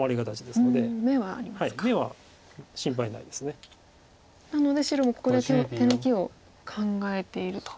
なので白もここで手抜きを考えていると。